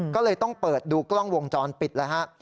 ก็เลยต้องเปิดดูกล้องวงจรปิดแล้วฮะ